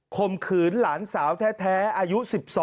ข่มขืนหลานสาวแท้อายุ๑๒